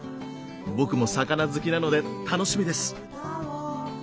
僕も魚好きなので楽しみです。